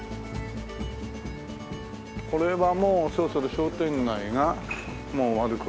これはもうそろそろ商店街がもう終わる頃かな。